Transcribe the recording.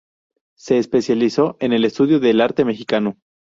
Se especializó en el estudio del arte mexicano.